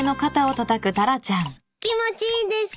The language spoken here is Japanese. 気持ちいいですか？